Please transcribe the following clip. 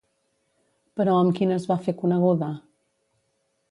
Però amb quin es va fer coneguda?